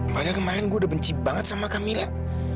padahal kemarin gue udah benci banget sama kamilah